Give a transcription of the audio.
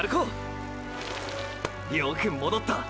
よく戻った！！